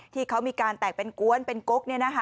ที่เขามีการแตกเป็นกวนเป็นก๊ก